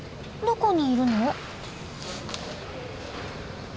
どこにいるの？